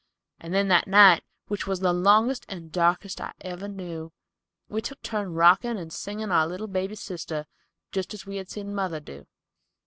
And then that night, which was the longest and darkest I ever knew, we took turn rocking and singing to our little baby sister, just as we had seen mother do."